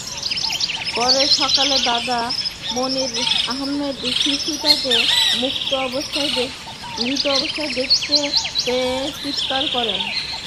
পরে সকালে দাদা মনির আহমেদ শিশুটিকে মৃত অবস্থায় দেখতে পেয়ে চিত্কার করেন।